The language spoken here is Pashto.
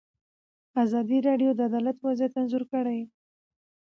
ازادي راډیو د عدالت وضعیت انځور کړی.